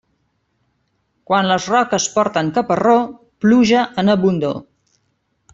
Quan les roques porten caparró, pluja en abundor.